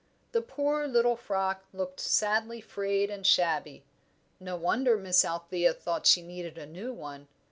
The poor, little frock looked sadly frayed and shabby; no wonder Miss Althea thought she needed a new one.